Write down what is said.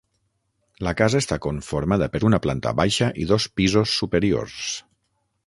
La casa està conformada per una planta baixa i dos pisos superiors.